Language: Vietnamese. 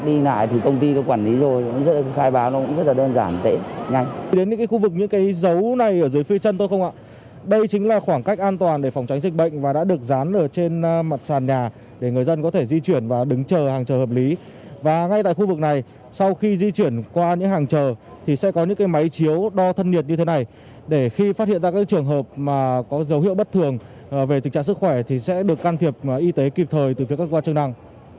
đến những cái khu vực những cái dấu này ở dưới phía chân tôi không ạ đây chính là khoảng cách an toàn để phòng tránh dịch bệnh và đã được dán ở trên mặt sàn nhà để người dân có thể di chuyển và đứng chờ hàng trờ hợp lý và ngay tại khu vực này sau khi di chuyển qua những hàng trờ thì sẽ có những cái máy chiếu đo thân nhiệt như thế này để khi phát hiện ra các trường hợp mà có dấu hiệu bất thường về tình trạng sức khỏe thì sẽ được can thiệp y tế kịp thời từ phía các quan chức năng